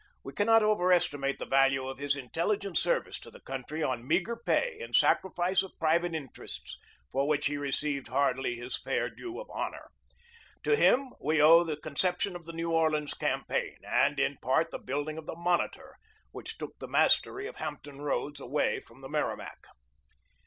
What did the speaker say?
We cannot overestimate the value of his in telligent service to the country on meagre pay in sacrifice of private interests, for which he received BEGINNING OF THE CIVIL WAR 41 hardly his fair due of honor. To him we owe the conception of the New Orleans campaign and, in part, the building of the Monitor, which took the mastery of Hampton Roads away from the Merrimac.